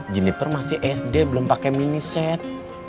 jeniper masih sd belum pakai mini set